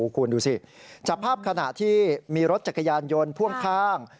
คุณดูสิจับภาพขณะที่มีรถจักรยานยนต์พ่วงข้าง